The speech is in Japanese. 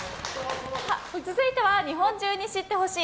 続いては日本中に知って欲しい！